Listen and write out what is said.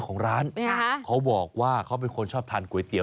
เขาบอกว่าเขาเป็นคนชอบทานก๋วยเตี๋ยว